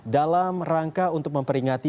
dalam rangka untuk memperingati